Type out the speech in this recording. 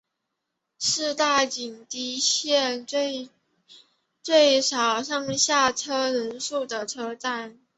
是大井町线最少上下车人次的车站。